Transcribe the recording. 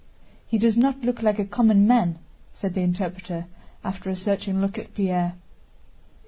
"He does not look like a common man," said the interpreter, after a searching look at Pierre.